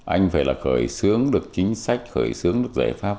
anh phải là khởi xướng được chính sách khởi xướng được giải pháp